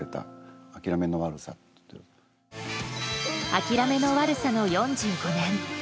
諦めの悪さの４５年。